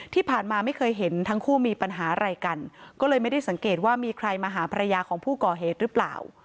ที่ผ่านมาไม่เคยเห็นทั้งคู่มีปัญหาอะไรกันก็เลยไม่ได้สังเกตว่ามีใครมาหาภรรยาของผู้ก่อเหตุหรือเปล่า